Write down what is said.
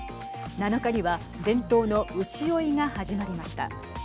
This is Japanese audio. ７日には伝統の牛追いが始まりました。